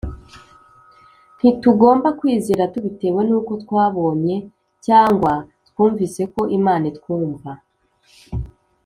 Ntitugomba kwizera tubitewe n’uko twabonye cyangwa twumvise ko Imana itwumva.